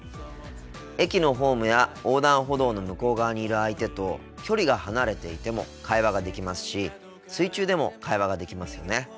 駅のホームや横断歩道の向こう側にいる相手と距離が離れていても会話ができますし水中でも会話ができますよね。